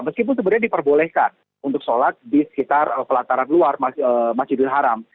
meskipun sebenarnya diperbolehkan untuk sholat di sekitar pelataran luar masjidil haram